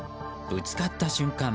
ぶつかった瞬間